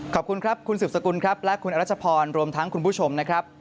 ขอบคุณครับคุณสืบสกุลครับและคุณอรัชพรรวมทั้งคุณผู้ชมนะครับ